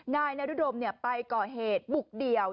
นายนรุดมไปก่อเหตุบุกเดี่ยว